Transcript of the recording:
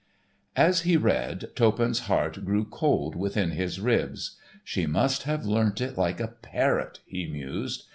As he read, Toppan's heart grew cold within his ribs. "She must have learnt it like a parrot," he mused.